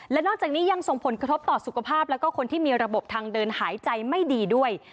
และนอกจากนี้ยังส่งผลกระทบต่อสุขภาพแล้วก็คนที่มีระบบทางเดินหายใจไม่ดีด้วย